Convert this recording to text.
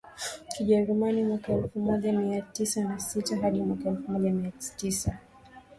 Kijerumani mwaka elfu moja mia tisa na sita hadi mwaka elfu moja mia tisa